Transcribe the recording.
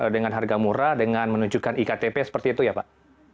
dengan harga murah dengan menunjukkan iktp seperti itu ya pak